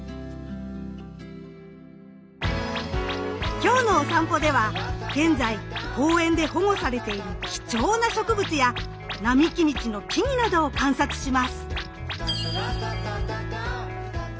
今日のおさんぽでは現在公園で保護されている貴重な植物や並木道の木々などを観察します！